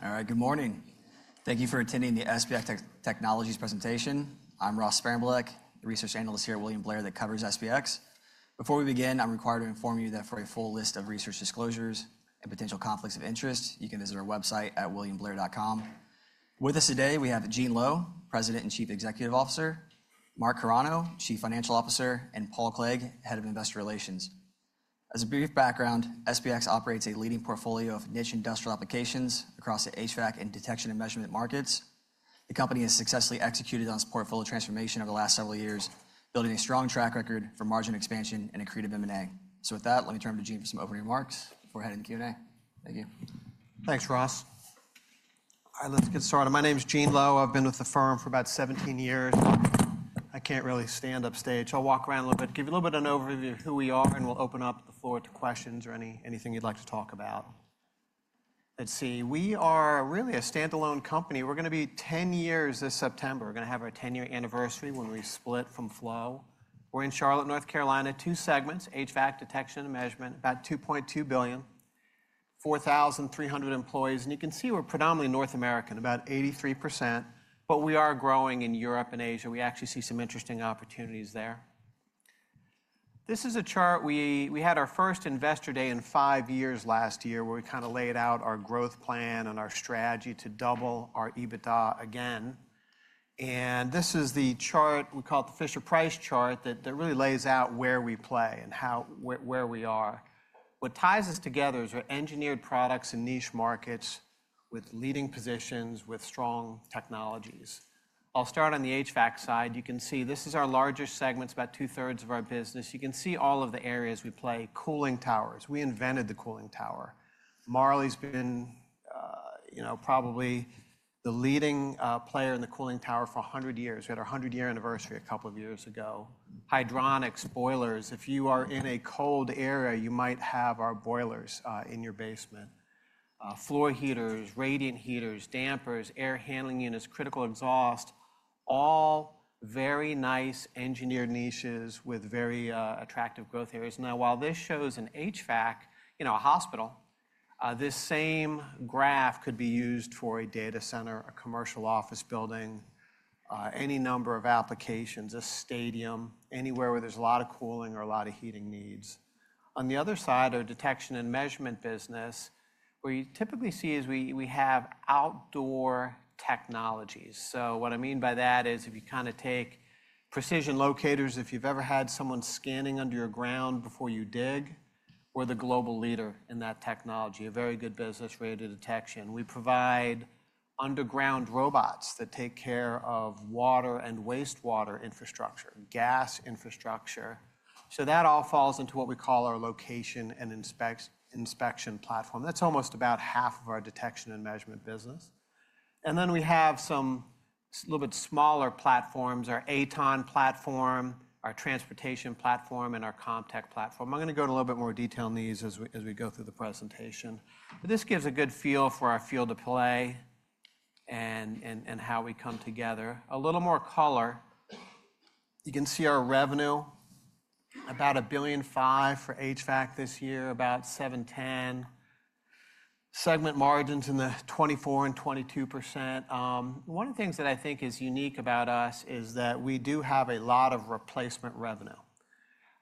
All right, good morning. Thank you for attending the SPX Technologies presentation. I'm Ross Sparenblek, the research analyst here at William Blair that covers SPX. Before we begin, I'm required to inform you that for a full list of research disclosures and potential conflicts of interest, you can visit our website at williamblair.com. With us today, we have Gene Lowe, President and Chief Executive Officer, Mark Carano, Chief Financial Officer, and Paul Clegg, Head of Investor Relations. As a brief background, SPX operates a leading portfolio of niche industrial applications across the HVAC and detection and measurement markets. The company has successfully executed on its portfolio transformation over the last several years, building a strong track record for margin expansion and accretive M&A. With that, let me turn to Gene for some opening remarks. Before we head into the Q&A, thank you. Thanks, Ross. All right, let's get started. My name is Gene Lowe. I've been with the firm for about 17 years. I can't really stand upstage. I'll walk around a little bit, give you a little bit of an overview of who we are, and we'll open up the floor to questions or anything you'd like to talk about. Let's see. We are really a standalone company. We're going to be 10 years this September. We're going to have our 10-year anniversary when we split from SPX FLOW. We're in Charlotte, North Carolina. Two segments: HVAC, detection, and measurement. About $2.2 billion, 4,300 employees. And you can see we're predominantly North American, about 83%. But we are growing in Europe and Asia. We actually see some interesting opportunities there. This is a chart. We had our first investor day in five years last year where we kind of laid out our growth plan and our strategy to double our EBITDA again. This is the chart we call the Fisher Price Chart that really lays out where we play and where we are. What ties us together is we're engineered products in niche markets with leading positions with strong technologies. I'll start on the HVAC side. You can see this is our largest segment, about two-thirds of our business. You can see all of the areas we play: cooling towers. We invented the cooling tower. Marley's been probably the leading player in the cooling tower for 100 years. We had our 100-year anniversary a couple of years ago. Hydronics, boilers. If you are in a cold area, you might have our boilers in your basement. Floor heaters, radiant heaters, dampers, air handling units, critical exhaust. All very nice engineered niches with very attractive growth areas. Now, while this shows an HVAC, you know, a hospital, this same graph could be used for a data center, a commercial office building, any number of applications, a stadium, anywhere where there's a lot of cooling or a lot of heating needs. On the other side, our detection and measurement business, what you typically see is we have outdoor technologies. What I mean by that is if you kind of take precision locators, if you've ever had someone scanning under your ground before you dig, we're the global leader in that technology. A very good business, radio detection. We provide underground robots that take care of water and wastewater infrastructure, gas infrastructure. That all falls into what we call our location and inspection platform. That's almost about half of our detection and measurement business. Then we have some a little bit smaller platforms: our AtoN platform, our transportation platform, and our CommTech platform. I'm going to go to a little bit more detail on these as we go through the presentation. This gives a good feel for our field of play and how we come together. A little more color. You can see our revenue, about $1.5 billion for HVAC this year, about $710 million. Segment margins in the 24% and 22%. One of the things that I think is unique about us is that we do have a lot of replacement revenue.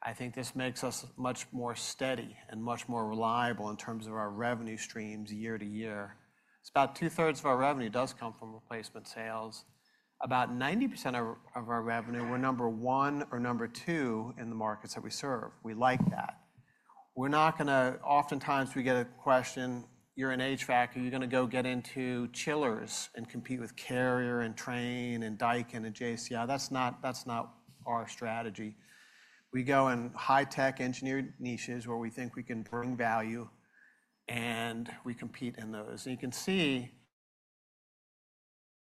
I think this makes us much more steady and much more reliable in terms of our revenue streams year to year. It's about two-thirds of our revenue does come from replacement sales. About 90% of our revenue, we're number one or number two in the markets that we serve. We like that. We're not going to, oftentimes we get a question, "You're in HVAC. Are you going to go get into chillers and compete with Carrier and Trane and Daikin and JCI?" That's not our strategy. We go in high-tech engineered niches where we think we can bring value, and we compete in those. You can see,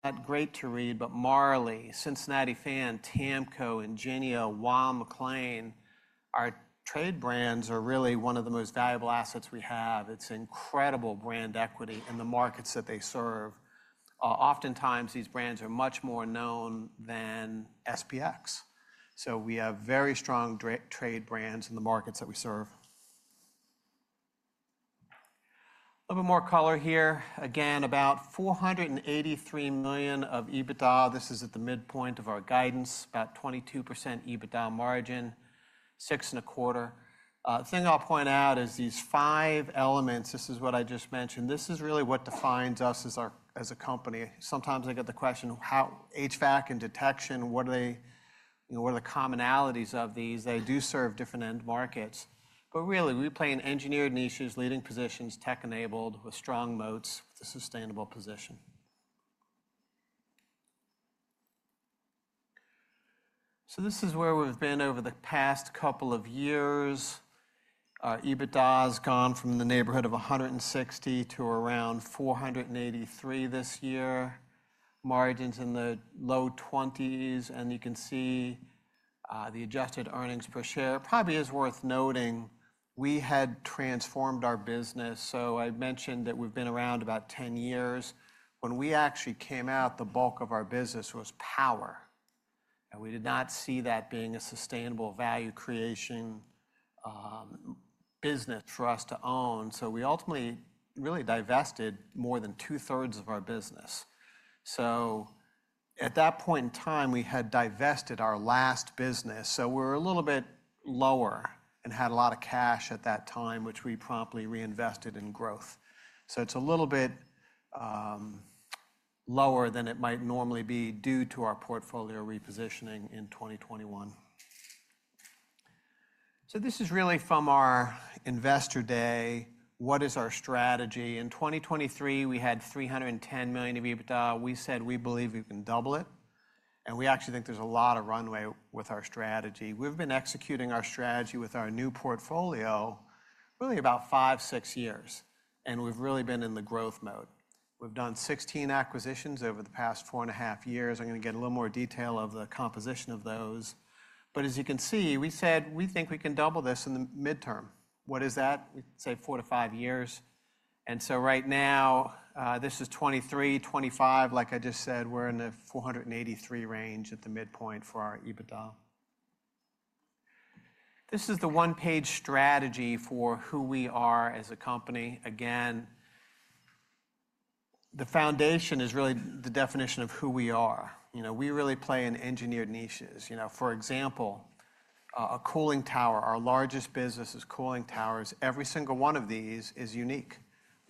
not great to read, but Marley, Cincinnati Fan, Tamco, Ingenia, Weil-McLain, our trade brands are really one of the most valuable assets we have. It's incredible brand equity in the markets that they serve. Oftentimes, these brands are much more known than SPX. We have very strong trade brands in the markets that we serve. A little bit more color here. Again, about $483 million of EBITDA. This is at the midpoint of our guidance, about 22% EBITDA margin, six and a quarter. The thing I'll point out is these five elements, this is what I just mentioned, this is really what defines us as a company. Sometimes I get the question, "HVAC and detection, what are the commonalities of these?" They do serve different end markets. Really, we play in engineered niches, leading positions, tech-enabled with strong moats, with a sustainable position. This is where we've been over the past couple of years. Our EBITDA has gone from the neighborhood of $160 million to around $483 million this year. Margins in the low 20%. You can see the adjusted earnings per share. Probably is worth noting we had transformed our business. I mentioned that we've been around about 10 years. When we actually came out, the bulk of our business was power. We did not see that being a sustainable value creation business for us to own. We ultimately really divested more than two-thirds of our business. At that point in time, we had divested our last business. We were a little bit lower and had a lot of cash at that time, which we promptly reinvested in growth. It is a little bit lower than it might normally be due to our portfolio repositioning in 2021. This is really from our investor day. What is our strategy? In 2023, we had $310 million of EBITDA. We said we believe we can double it. We actually think there is a lot of runway with our strategy. We have been executing our strategy with our new portfolio really about five, six years. We have really been in the growth mode. We've done 16 acquisitions over the past four and a half years. I'm going to get a little more detail of the composition of those. As you can see, we said we think we can double this in the midterm. What is that? We'd say four to five years. Right now, this is 2023, 2025. Like I just said, we're in the $483 million range at the midpoint for our EBITDA. This is the one-page strategy for who we are as a company. Again, the foundation is really the definition of who we are. We really play in engineered niches. For example, a cooling tower. Our largest business is cooling towers. Every single one of these is unique.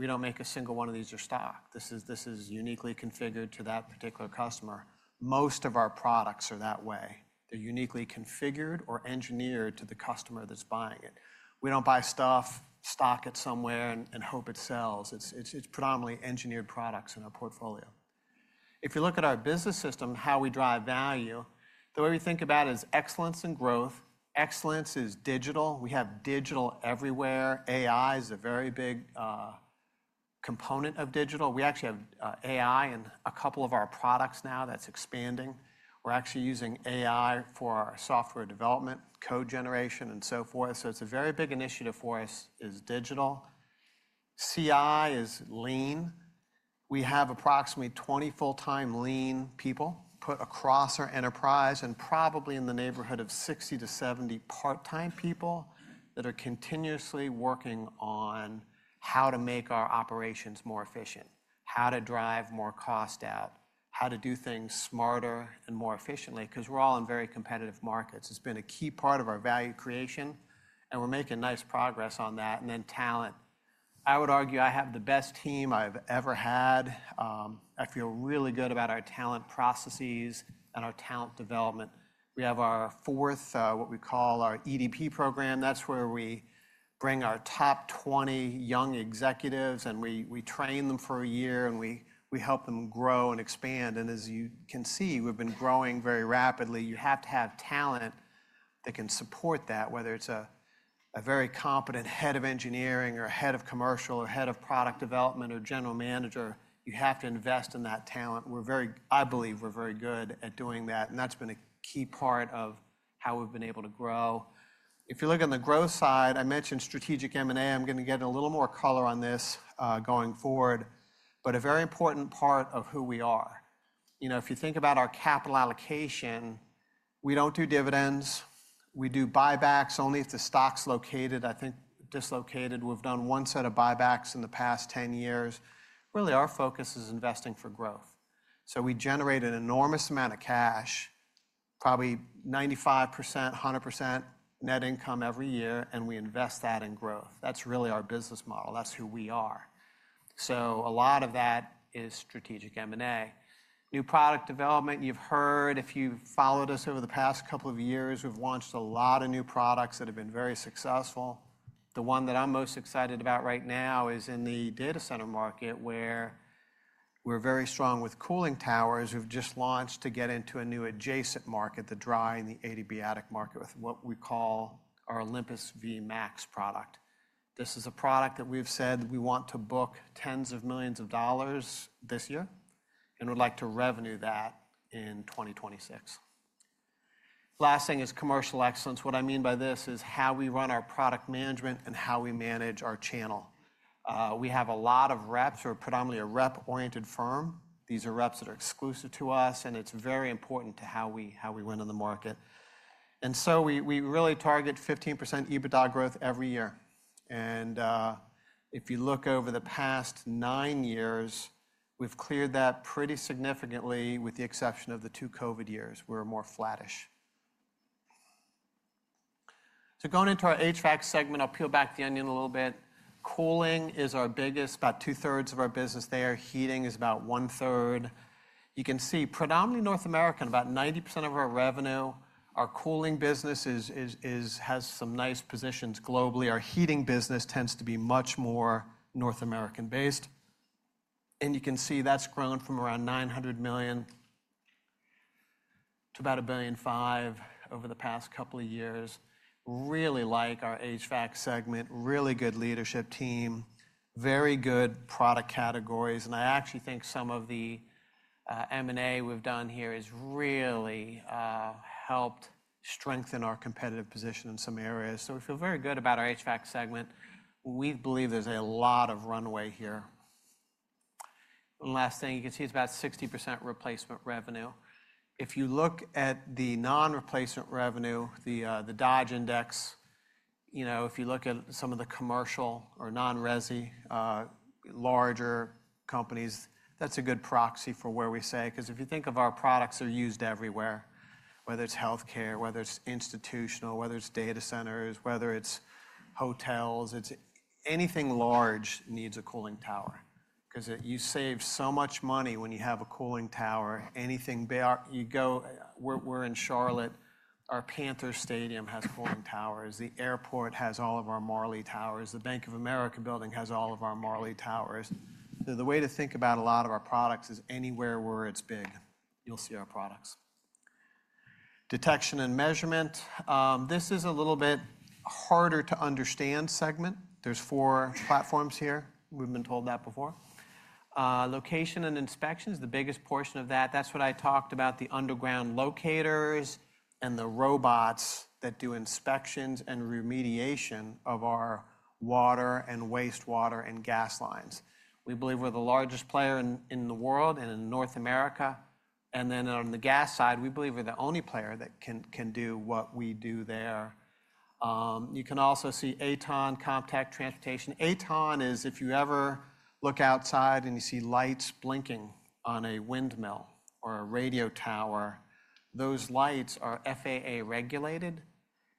We don't make a single one of these or stock. This is uniquely configured to that particular customer. Most of our products are that way. They're uniquely configured or engineered to the customer that's buying it. We don't buy stuff, stock it somewhere, and hope it sells. It's predominantly engineered products in our portfolio. If you look at our business system, how we drive value, the way we think about it is excellence and growth. Excellence is digital. We have digital everywhere. AI is a very big component of digital. We actually have AI in a couple of our products now that's expanding. We're actually using AI for our software development, code generation, and so forth. It is a very big initiative for us is digital. CI is lean. We have approximately 20 full-time lean people put across our enterprise and probably in the neighborhood of 60-70 part-time people that are continuously working on how to make our operations more efficient, how to drive more cost out, how to do things smarter and more efficiently because we're all in very competitive markets. It's been a key part of our value creation, and we're making nice progress on that. Talent. I would argue I have the best team I've ever had. I feel really good about our talent processes and our talent development. We have our fourth, what we call our EDP program. That's where we bring our top 20 young executives, and we train them for a year, and we help them grow and expand. As you can see, we've been growing very rapidly. You have to have talent that can support that, whether it's a very competent head of engineering or a head of commercial or head of product development or general manager. You have to invest in that talent. I believe we're very good at doing that. That's been a key part of how we've been able to grow. If you look on the growth side, I mentioned strategic M&A. I'm going to get a little more color on this going forward. A very important part of who we are. If you think about our capital allocation, we don't do dividends. We do buybacks only if the stock's, I think, dislocated. We've done one set of buybacks in the past 10 years. Really, our focus is investing for growth. We generate an enormous amount of cash, probably 95%-100% net income every year, and we invest that in growth. That is really our business model. That is who we are. A lot of that is strategic M&A. New product development, you have heard. If you have followed us over the past couple of years, we have launched a lot of new products that have been very successful. The one that I am most excited about right now is in the data center market where we are very strong with cooling towers. We have just launched to get into a new adjacent market, the dry and the adiabatic market with what we call our Olympus Vmax product. This is a product that we have said we want to book tens of millions of dollars this year and would like to revenue that in 2026. Last thing is commercial excellence. What I mean by this is how we run our product management and how we manage our channel. We have a lot of reps. We're predominantly a rep-oriented firm. These are reps that are exclusive to us, and it's very important to how we win in the market. We really target 15% EBITDA growth every year. If you look over the past nine years, we've cleared that pretty significantly with the exception of the two COVID years. We were more flattish. Going into our HVAC segment, I'll peel back the onion a little bit. Cooling is our biggest, about two-thirds of our business there. Heating is about one-third. You can see predominantly North American, about 90% of our revenue. Our cooling business has some nice positions globally. Our heating business tends to be much more North American-based. You can see that's grown from around $900 million to about $1.5 billion over the past couple of years. Really like our HVAC segment, really good leadership team, very good product categories. I actually think some of the M&A we've done here has really helped strengthen our competitive position in some areas. We feel very good about our HVAC segment. We believe there's a lot of runway here. Last thing, you can see it's about 60% replacement revenue. If you look at the non-replacement revenue, the Dodge Index, if you look at some of the commercial or non-RESI larger companies, that's a good proxy for where we say because if you think of our products, they're used everywhere, whether it's healthcare, whether it's institutional, whether it's data centers, whether it's hotels. Anything large needs a cooling tower because you save so much money when you have a cooling tower. Anything big, we're in Charlotte. Our Panthers Stadium has cooling towers. The airport has all of our Marley towers. The Bank of America building has all of our Marley towers. The way to think about a lot of our products is anywhere where it's big, you'll see our products. Detection and measurement, this is a little bit harder to understand segment. There are four platforms here. We've been told that before. Location and inspection is the biggest portion of that. That's what I talked about, the underground locators and the robots that do inspections and remediation of our water and wastewater and gas lines. We believe we're the largest player in the world and in North America. On the gas side, we believe we're the only player that can do what we do there. You can also see AtoN, CommTech, Transportation. AtoN is if you ever look outside and you see lights blinking on a windmill or a radio tower, those lights are FAA regulated.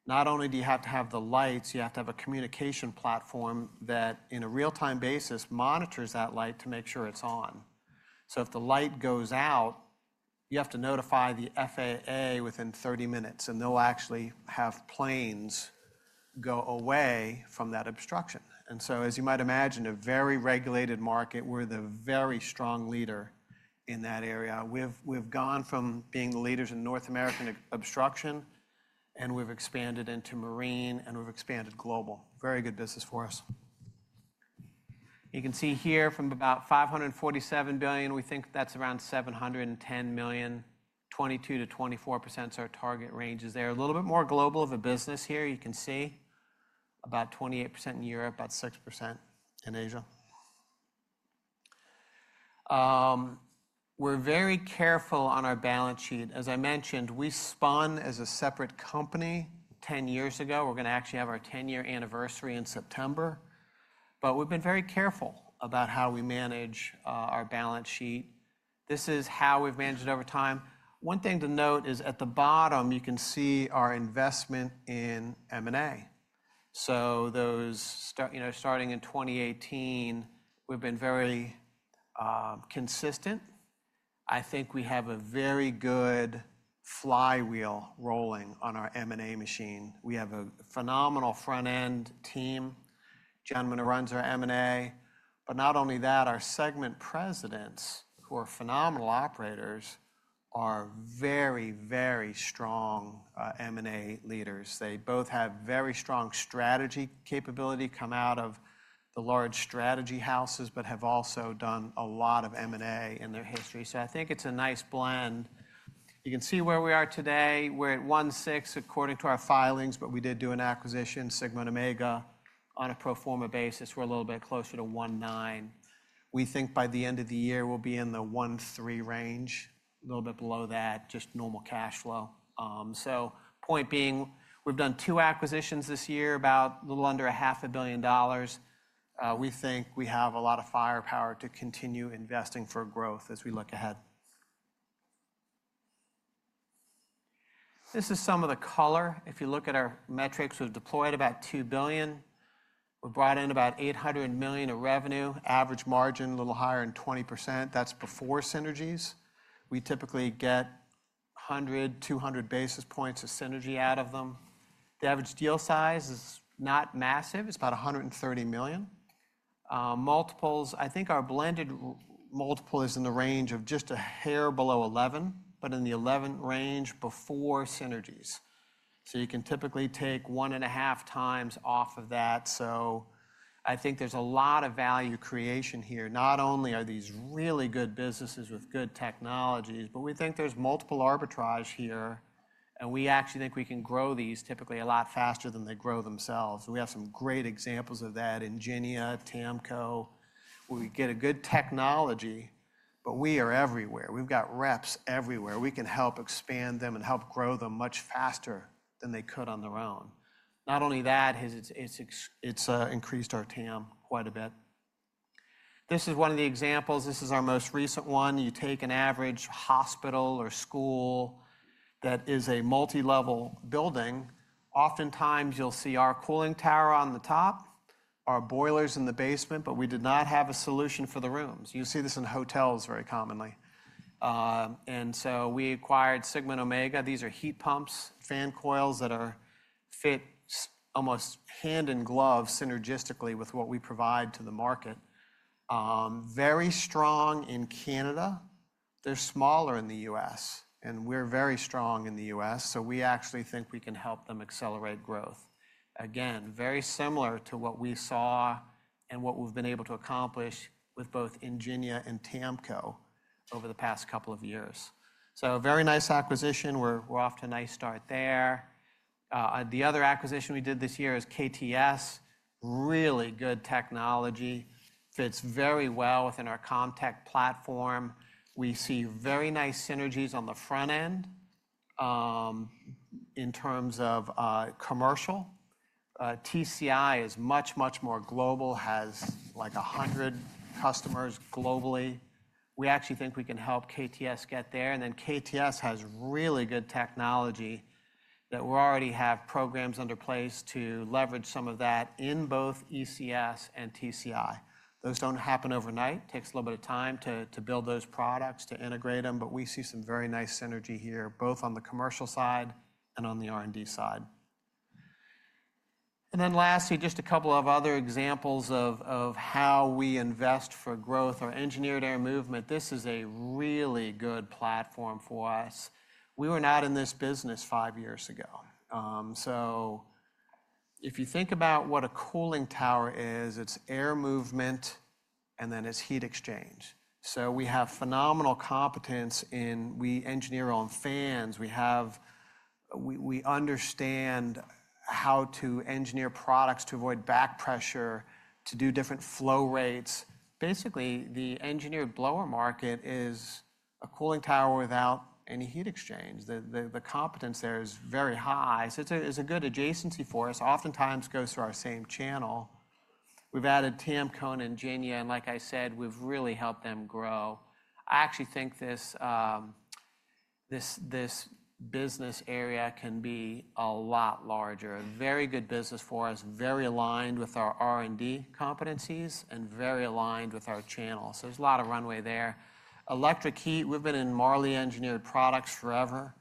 Not only do you have to have the lights, you have to have a communication platform that on a real-time basis monitors that light to make sure it's on. If the light goes out, you have to notify the FAA within 30 minutes, and they'll actually have planes go away from that obstruction. As you might imagine, a very regulated market, we're the very strong leader in that area. We've gone from being the leaders in North American obstruction, and we've expanded into marine, and we've expanded global. Very good business for us. You can see here from about $547 million, we think that's around $710 million. 22%-24% is our target range is there. A little bit more global of a business here. You can see about 28% in Europe, about 6% in Asia. We're very careful on our balance sheet. As I mentioned, we spun as a separate company 10 years ago. We're going to actually have our 10-year anniversary in September. We have been very careful about how we manage our balance sheet. This is how we've managed it over time. One thing to note is at the bottom, you can see our investment in M&A. Starting in 2018, we've been very consistent. I think we have a very good flywheel rolling on our M&A machine. We have a phenomenal front-end team, gentlemen who run our M&A. Not only that, our segment presidents, who are phenomenal operators, are very, very strong M&A leaders. They both have very strong strategy capability, come out of the large strategy houses, but have also done a lot of M&A in their history. I think it is a nice blend. You can see where we are today. We are at $1.6 billion according to our filings, but we did do an acquisition, Sigma and Omega, on a pro forma basis. We are a little bit closer to $1.9 billion. We think by the end of the year, we will be in the $1.3 billion range, a little bit below that, just normal cash flow. Point being, we have done two acquisitions this year, about a little under $0.5 billion. We think we have a lot of firepower to continue investing for growth as we look ahead. This is some of the color. If you look at our metrics, we've deployed about $2 billion. We brought in about $800 million of revenue. Average margin a little higher than 20%. That's before synergies. We typically get 100-200 basis points of synergy out of them. The average deal size is not massive. It's about $130 million. Multiples, I think our blended multiple is in the range of just a hair below $11, but in the $11 range before synergies. You can typically take one and a half times off of that. I think there's a lot of value creation here. Not only are these really good businesses with good technologies, but we think there's multiple arbitrages here. We actually think we can grow these typically a lot faster than they grow themselves. We have some great examples of that in Ingenia, Tamco, where we get a good technology, but we are everywhere. We've got reps everywhere. We can help expand them and help grow them much faster than they could on their own. Not only that, it's increased our TAM quite a bit. This is one of the examples. This is our most recent one. You take an average hospital or school that is a multi-level building. Oftentimes, you'll see our cooling tower on the top, our boilers in the basement, but we did not have a solution for the rooms. You'll see this in hotels very commonly. We acquired Sigma and Omega. These are heat pumps, fan coils that fit almost hand and glove synergistically with what we provide to the market. Very strong in Canada. They're smaller in the U.S., and we're very strong in the U.S. We actually think we can help them accelerate growth. Again, very similar to what we saw and what we have been able to accomplish with both Ingenia and Tamco over the past couple of years. Very nice acquisition. We are off to a nice start there. The other acquisition we did this year is KTS, really good technology. Fits very well within our CommTech platform. We see very nice synergies on the front end in terms of commercial. TCI is much, much more global, has like 100 customers globally. We actually think we can help KTS get there. KTS has really good technology that we already have programs under place to leverage some of that in both ECS and TCI. Those do not happen overnight. It takes a little bit of time to build those products, to integrate them. We see some very nice synergy here, both on the commercial side and on the R&D side. Lastly, just a couple of other examples of how we invest for growth or engineered air movement. This is a really good platform for us. We were not in this business five years ago. If you think about what a cooling tower is, it is air movement, and then it is heat exchange. We have phenomenal competence in how we engineer on fans. We understand how to engineer products to avoid back pressure, to do different flow rates. Basically, the engineered blower market is a cooling tower without any heat exchange. The competence there is very high. It is a good adjacency for us. Oftentimes, it goes through our same channel. We have added Tamco and Ingenia. Like I said, we have really helped them grow. I actually think this business area can be a lot larger. Very good business for us, very aligned with our R&D competencies and very aligned with our channel. There is a lot of runway there. Electric heat, we have been in Marley engineered products forever.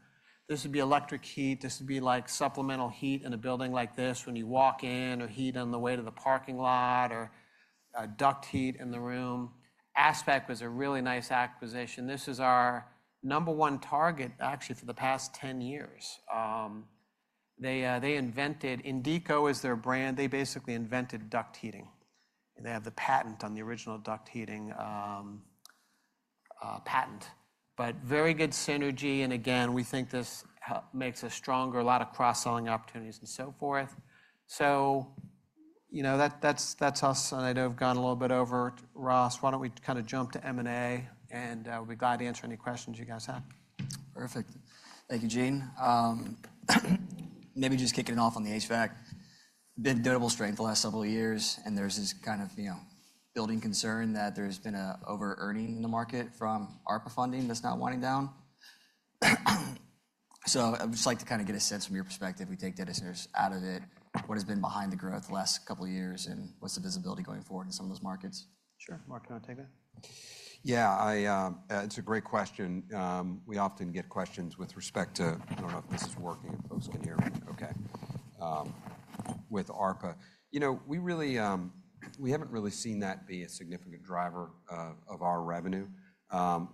This would be electric heat. This would be like supplemental heat in a building like this when you walk in or heat on the way to the parking lot or duct heat in the room. Aspect was a really nice acquisition. This is our number one target, actually, for the past 10 years. They invented Indico as their brand. They basically invented duct heating. They have the patent on the original duct heating patent. Very good synergy. Again, we think this makes us stronger, a lot of cross-selling opportunities and so forth. That is us. I know I have gone a little bit over. Ross, why don't we kind of jump to M&A? We'll be glad to answer any questions you guys have. Perfect. Thank you, Gene. Maybe just kicking it off on the HVAC. Been notable strength the last several years. There's this kind of building concern that there's been an over-earning in the market from ARPA funding that's not winding down. I would just like to kind of get a sense from your perspective. We take data centers out of it. What has been behind the growth the last couple of years? What's the visibility going forward in some of those markets? Sure. Mark, can take that. Yeah. It's a great question. We often get questions with respect to I don't know if this is working if folks can hear me. Okay. With ARPA, we haven't really seen that be a significant driver of our revenue.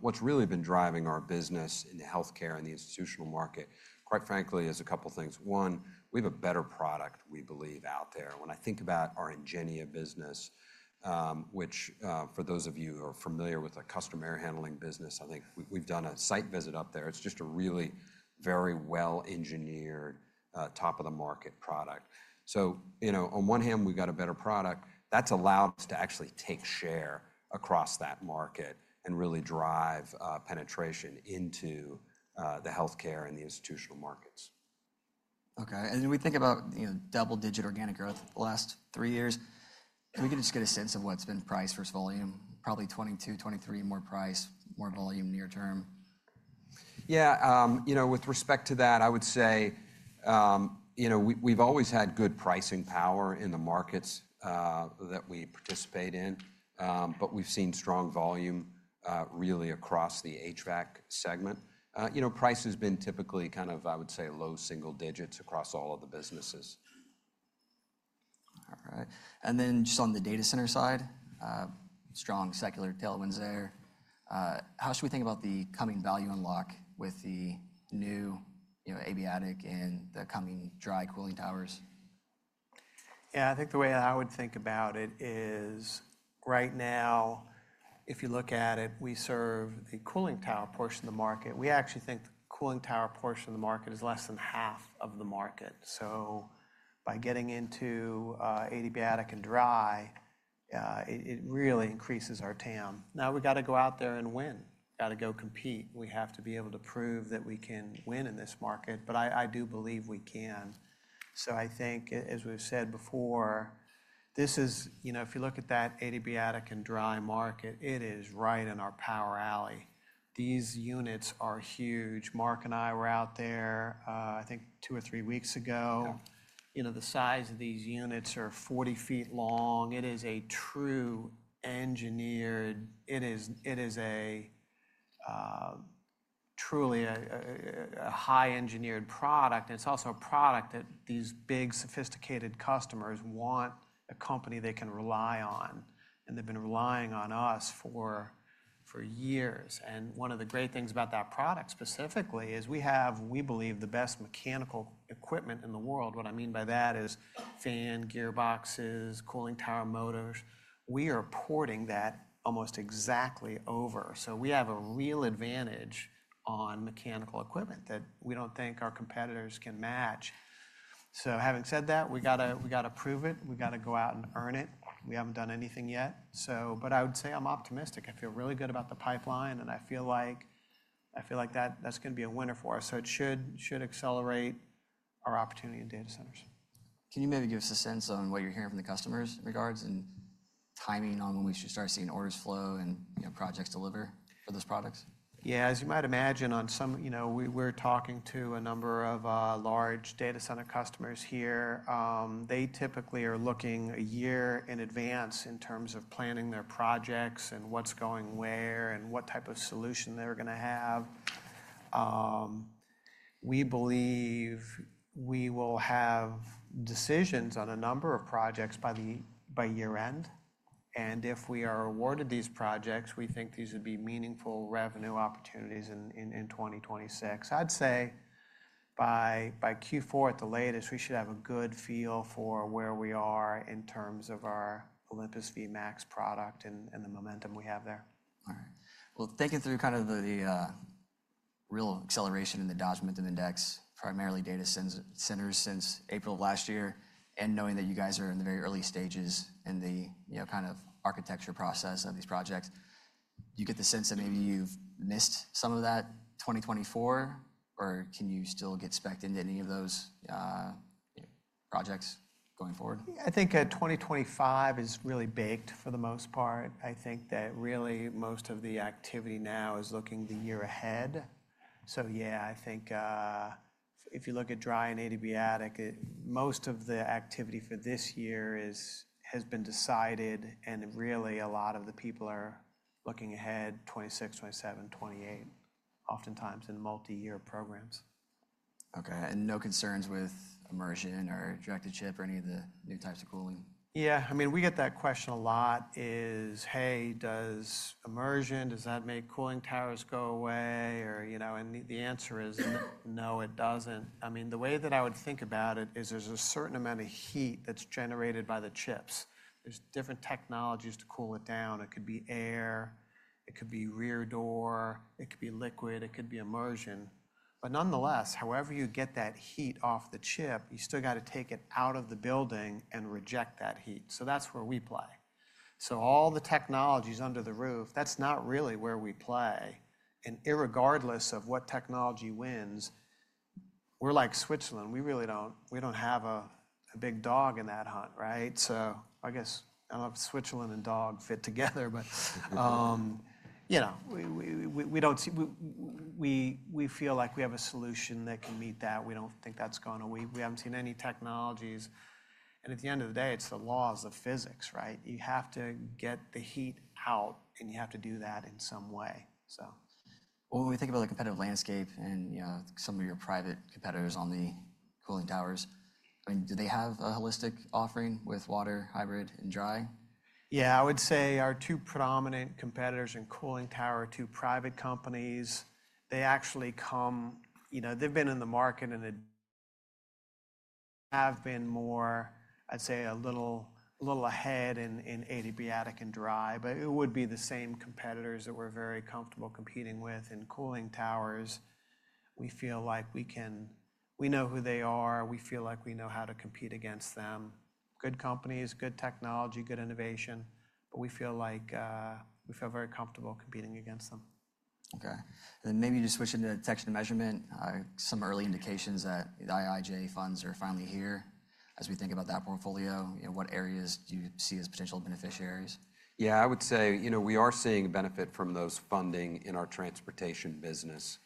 What's really been driving our business in the healthcare and the institutional market, quite frankly, is a couple of things. One, we have a better product, we believe, out there. When I think about our Ingenia business, which for those of you who are familiar with a custom air handling business, I think we've done a site visit up there. It's just a really very well-engineered, top-of-the-market product. On one hand, we've got a better product. That's allowed us to actually take share across that market and really drive penetration into the healthcare and the institutional markets. Okay. When we think about double-digit organic growth the last three years, can we just get a sense of what's been price versus volume? Probably $22, $23 more price, more volume near term. Yeah. With respect to that, I would say we've always had good pricing power in the markets that we participate in. We have seen strong volume really across the HVAC segment. Price has been typically kind of, I would say, low single digits across all of the businesses. All right. Just on the data center side, strong secular tailwinds there. How should we think about the coming value unlock with the new ADB Attic and the coming dry cooling towers? Yeah. I think the way I would think about it is right now, if you look at it, we serve the cooling tower portion of the market. We actually think the cooling tower portion of the market is less than half of the market. By getting into ADB Attic and dry, it really increases our TAM. Now we have to go out there and win. We've got to go compete. We have to be able to prove that we can win in this market. I do believe we can. I think, as we've said before, if you look at that ADB Attic and dry market, it is right in our power alley. These units are huge. Mark and I were out there, I think, two or three weeks ago. The size of these units are 40 ft long. It is a true engineered. It is truly a high-engineered product. It is also a product that these big, sophisticated customers want a company they can rely on. They have been relying on us for years. One of the great things about that product specifically is we have, we believe, the best mechanical equipment in the world. What I mean by that is fan, gearboxes, cooling tower motors. We are porting that almost exactly over. We have a real advantage on mechanical equipment that we do not think our competitors can match. Having said that, we have to prove it. We have to go out and earn it. We have not done anything yet. I would say I am optimistic. I feel really good about the pipeline. I feel like that is going to be a winner for us. It should accelerate our opportunity in data centers. Can you maybe give us a sense on what you are hearing from the customers in regards and timing on when we should start seeing orders flow and projects deliver for those products? Yeah. As you might imagine, we are talking to a number of large data center customers here. They typically are looking a year in advance in terms of planning their projects and what's going where and what type of solution they're going to have. We believe we will have decisions on a number of projects by year-end. If we are awarded these projects, we think these would be meaningful revenue opportunities in 2026. I'd say by Q4 at the latest, we should have a good feel for where we are in terms of our Olympus Vmax product and the momentum we have there. All right. Thinking through kind of the real acceleration in the Dodge Momentum Index, primarily data centers since April of last year, and knowing that you guys are in the very early stages in the kind of architecture process of these projects, do you get the sense that maybe you've missed some of that 2024? Can you still get specked into any of those projects going forward? I think 2025 is really baked for the most part. I think that really most of the activity now is looking the year ahead. Yeah, I think if you look at dry and ADB Attic, most of the activity for this year has been decided. Really, a lot of the people are looking ahead 2026, 2027, 2028, oftentimes in multi-year programs. Okay. No concerns with immersion or directed chip or any of the new types of cooling? Yeah. I mean, we get that question a lot, "Hey, does immersion, does that make cooling towers go away?" The answer is no, it does not. I mean, the way that I would think about it is there is a certain amount of heat that is generated by the chips. There are different technologies to cool it down. It could be air. It could be rear door. It could be liquid. It could be immersion. Nonetheless, however you get that heat off the chip, you still got to take it out of the building and reject that heat. That is where we play. All the technologies under the roof, that is not really where we play. Irregardless of what technology wins, we are like Switzerland. We do not have a big dog in that hunt, right? I guess I do not know if Switzerland and dog fit together, but we feel like we have a solution that can meet that. We do not think that is going away. We have not seen any technologies. At the end of the day, it is the laws of physics, right? You have to get the heat out, and you have to do that in some way. When we think about the competitive landscape and some of your private competitors on the cooling towers, I mean, do they have a holistic offering with water, hybrid, and dry? Yeah. I would say our two predominant competitors in cooling tower are two private companies. They actually come, they've been in the market and have been more, I'd say, a little ahead in ADB Attic and dry. It would be the same competitors that we're very comfortable competing with in cooling towers. We feel like we know who they are. We feel like we know how to compete against them. Good companies, good technology, good innovation. We feel very comfortable competing against them. Okay. Maybe just switching to the text measurement, some early indications that the IIJA funds are finally here as we think about that portfolio. What areas do you see as potential beneficiaries? Yeah. I would say we are seeing benefit from those funding in our transportation business.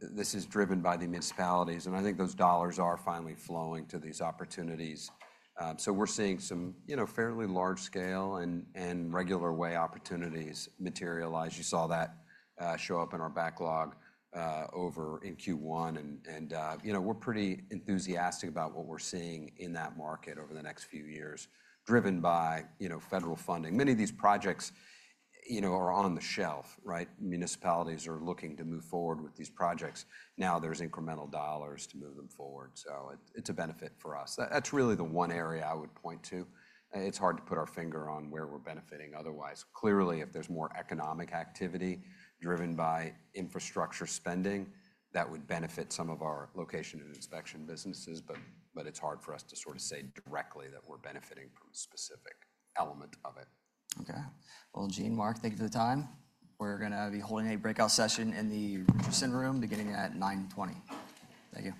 This is driven by the municipalities. I think those dollars are finally flowing to these opportunities. We are seeing some fairly large-scale and regular way opportunities materialize. You saw that show up in our backlog over in Q1. We are pretty enthusiastic about what we are seeing in that market over the next few years, driven by federal funding. Many of these projects are on the shelf, right? Municipalities are looking to move forward with these projects. Now there are incremental dollars to move them forward. It is a benefit for us. That is really the one area I would point to. It is hard to put our finger on where we are benefiting otherwise. Clearly, if there is more economic activity driven by infrastructure spending, that would benefit some of our location and inspection businesses. It is hard for us to sort of say directly that we are benefiting from a specific element of it. Okay. Gene, Mark, thank you for the time. We are going to be holding a breakout session in the Richardson room beginning at 9:20. Thank you.